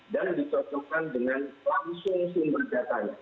dan dicocokkan dengan langsung sumber datanya